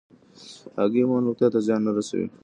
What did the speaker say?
هګۍ عموماً روغتیا ته زیان نه رسوي.